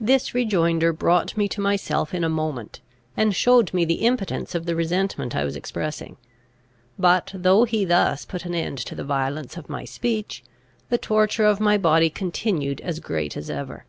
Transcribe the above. This rejoinder brought me to myself in a moment, and showed me the impotence of the resentment I was expressing. But, though he thus put an end to the violence of my speech, the torture of my body continued as great as ever.